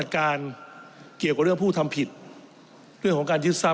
แท้คุณและ